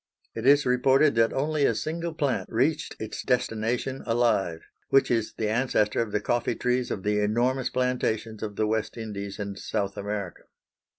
It is reported that only a single plant reached its destination alive, which is the ancestor of the coffee trees of the enormous plantations of the West Indies and South America.